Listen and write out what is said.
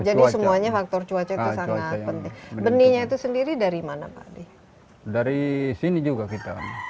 jadi semuanya faktor cuaca sangat penting benihnya itu sendiri dari mana pak adi dari sini juga kita